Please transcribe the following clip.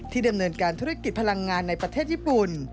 ดำเนินการธุรกิจพลังงานในประเทศญี่ปุ่น